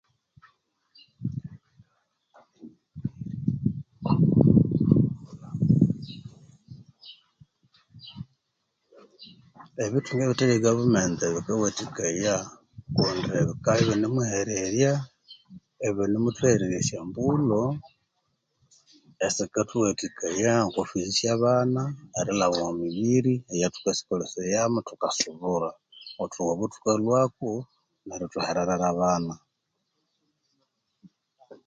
Ebithunga ebithe bye kafumenti bikawathikaya kundi bikabya ibinemuhererya ibinemuthuhererya esyombulho esikathuwathikaya okwa ffizi syabana erilhaba omwa mibiri eyathukasikolesaya thukasubura othughoba othukalhwaku ithwahererera abana